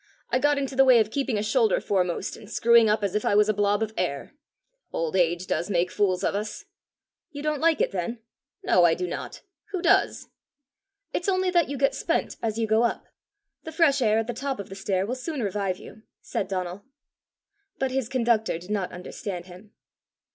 I got into the way of keeping a shoulder foremost, and screwing up as if I was a blob of air! Old age does make fools of us!" "You don't like it then?" "No, I do not: who does?" "It's only that you get spent as you go up. The fresh air at the top of the stair will soon revive you," said Donal. But his conductor did not understand him.